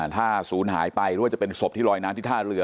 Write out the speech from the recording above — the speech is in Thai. ถ้าศูนย์หายไปหรือว่าจะเป็นศพที่ลอยน้ำที่ท่าเรือ